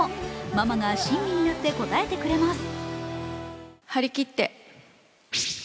ママが親身になって答えてくれます。